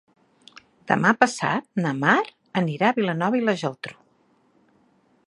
Demà passat na Mar anirà a Vilanova i la Geltrú.